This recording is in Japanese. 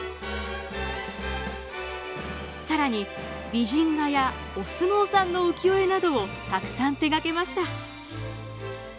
更に美人画やお相撲さんの浮世絵などをたくさん手がけました。